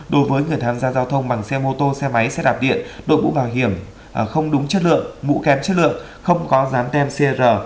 đối với người tham gia giao thông bằng xe mô tô xe máy xe đạp điện đội mũ bảo hiểm không đúng chất lượng mũ kém chất lượng không có rán tem cr